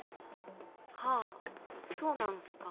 はぁそうなんすか。